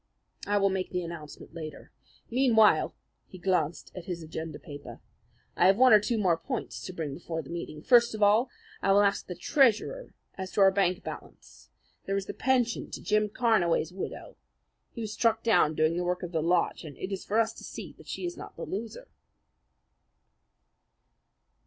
I will make the announcement later. Meanwhile," he glanced at his agenda paper, "I have one or two more points to bring before the meeting. First of all, I will ask the treasurer as to our bank balance. There is the pension to Jim Carnaway's widow. He was struck down doing the work of the lodge, and it is for us to see that she is not the loser."